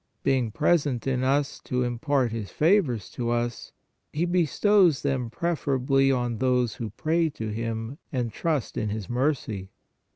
Being present in us to im part His favors to us, He bestows them preferably on those who pray to Him and trust in His mercy.